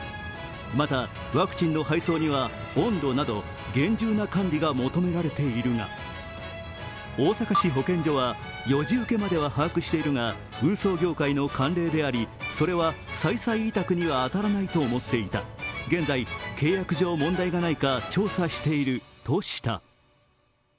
また、ワクチンの配送には温度など厳重な管理が求められているが大阪市保健所は、４次請けまでは把握しているが運送業界の慣例であり、それは再々委託には当たらないと思っていた、現在、契約上問題がないか調査しているとした。